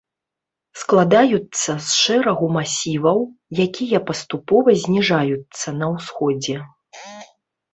Складаюцца з шэрагу масіваў, якія паступова зніжаюцца на ўсходзе.